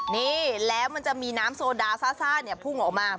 นี่แล้วมันจะมีน้ำโซดาซ่าเนี่ยพุ่งออกมา